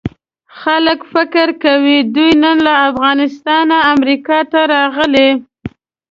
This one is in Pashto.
خلک فکر کوي دوی نن له افغانستانه امریکې ته راغلي.